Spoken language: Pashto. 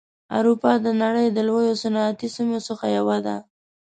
اروپا د نړۍ له لویو صنعتي سیمو څخه یوه ده.